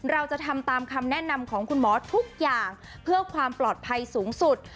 เราจะทำตามคำแนะนำของคุณหมอทุกอย่างเพื่อความปลอดภัยสูงสุด